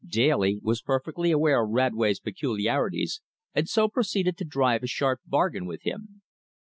Daly was perfectly aware of Radway's peculiarities, and so proceeded to drive a sharp bargain with him.